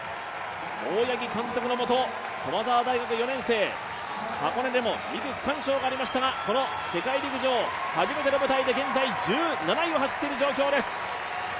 大八木監督のもと、駒澤大学４年生、箱根でも２区区間賞がありましたがこの世界陸上、初めての舞台で現在１７位を走っている状況です。